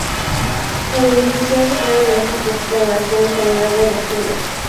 El edificio ha sufrido diversas restauraciones a lo largo de los siglos.